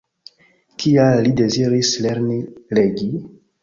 Kial li deziris lerni legi?